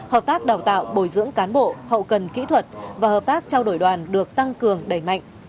hợp tác đào tạo bồi dưỡng cán bộ hậu cần kỹ thuật và hợp tác trao đổi đoàn được tăng cường đẩy mạnh